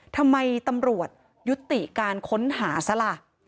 ทำไมตำรวจยุติการค้นหาซะล่ะ